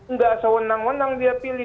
nggak sewenang wenang dia pilih